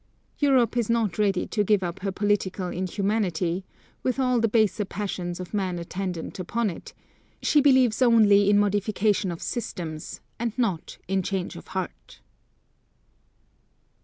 Europe is not ready to give up her political inhumanity, with all the baser passions of man attendant upon it; she believes only in modification of systems, and not in change of heart.